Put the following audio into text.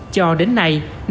cho đến nay